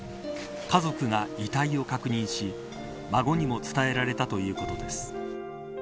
家族が遺体を確認し孫にも伝えられたということです。